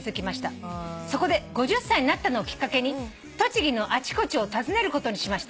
「そこで５０歳になったのをきっかけに栃木のあちこちを訪ねることにしました」